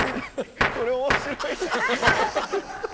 これ面白いな。